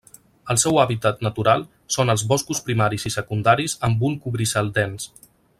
El seu hàbitat natural són els boscos primaris i secundaris amb un cobricel dens.